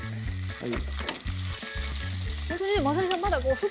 はい。